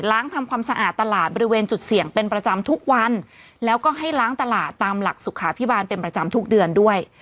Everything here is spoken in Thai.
ทำความสะอาดตลาดบริเวณจุดเสี่ยงเป็นประจำทุกวันแล้วก็ให้ล้างตลาดตามหลักสุขาพิบาลเป็นประจำทุกเดือนด้วย